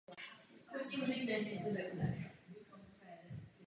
Singl dostal velmi pozitivní kritiky.